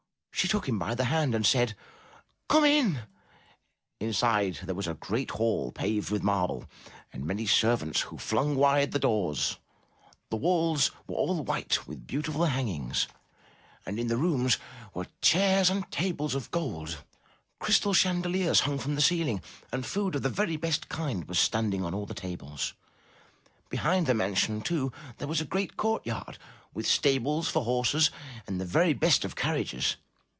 She took him by the hand and said, "Come in." Inside the house was a great hall, paved with marble, and many servants who flung wide the doors; the walls were all bright with beautiful 194 UP ONE PAIR OF STAIRS hangings, and in the rooms were chairs and tables of gold; crystal chandeliers hung from the ceiling, and food of the very best kind was standing on all the tables. Behind the mansion, too, there was a great courtyard, with stables for horses and the very best of carriages.